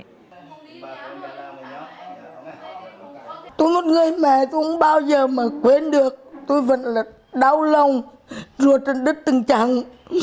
tôi là một người mẹ tôi không bao giờ mà quên được tôi vẫn là đau lòng ruột trên đất tình trạng